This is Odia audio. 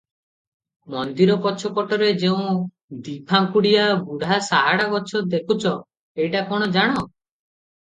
ମନ୍ଦିର ପଛପଟରେ ଯେଉଁ ଦିଫାଙ୍କୁଡିଆ ବୁଢ଼ା ସାହାଡ଼ା ଗଛ ଦେଖୁଛ, ଏଇଟା କଣ ଜାଣ?